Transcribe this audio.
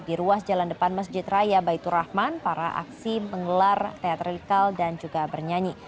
di ruas jalan depan masjid raya baitur rahman para aksi menggelar teatrikal dan juga bernyanyi